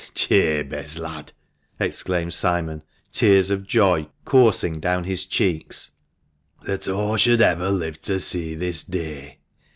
" Eh, Jabez, lad," exclaimed Simon, tears of joy coursing down his cheeks, " that aw should ever live to see this day